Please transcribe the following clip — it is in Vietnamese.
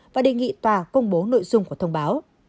và đề nghị tòa công bố nội dung của thông báo